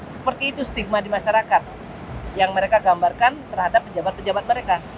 seperti itu stigma di masyarakat yang mereka gambarkan terhadap pejabat pejabat mereka